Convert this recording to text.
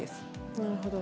なるほど。